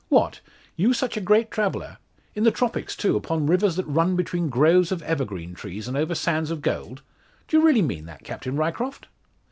"What! you such a great traveller! In the tropics too; upon rivers that run between groves of evergreen trees, and over sands of gold! Do you really mean that, Captain Ryecroft?"